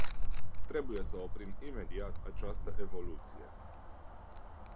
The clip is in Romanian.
Trebuie să oprim imediat această evoluție.